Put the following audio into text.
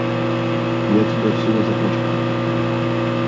Я тебя всего запачкаю.